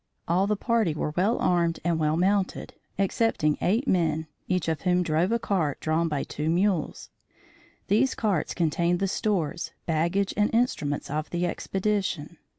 All the party were well armed and well mounted, excepting eight men, each of whom drove a cart, drawn by two mules. These carts contained the stores, baggage and instruments of the expedition.